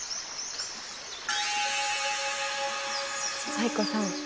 藍子さん